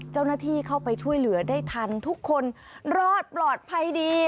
เจ้าหน้าที่เข้าไปช่วยเหลือได้ทันทุกคนรอดปลอดภัยดี